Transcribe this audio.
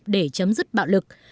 để chấm dứt bạo lực